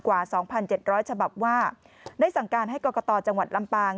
กว่า๒๗๐๐ฉบับว่าได้สั่งการให้กรกตจังหวัดลำปาง